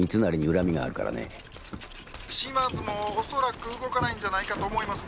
「島津も恐らく動かないんじゃないかと思いますね」。